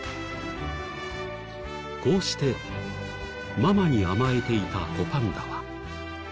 こうしてママに甘えていた子パンダは。